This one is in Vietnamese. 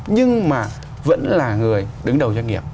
nhưng mà vẫn là người đứng đầu doanh nghiệp